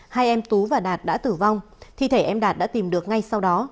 hai em tú và đạt đã tử vong thi thể em đạt đã tìm được ngay sau đó